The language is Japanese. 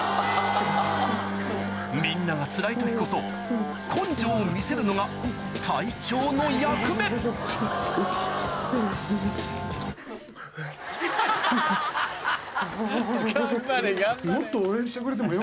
みんながつらい時こそ根性を見せるのが隊長の役目おっうっ。